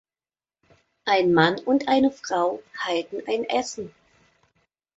Ein Mann und eine Frau halten ein Essen.